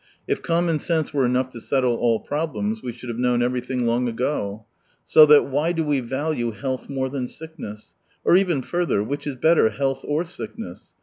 If common sense were enough to settle all problems, we should have known everything long age. So that — why do we value health more than sickness ? Or even further — which is better, health or sickness.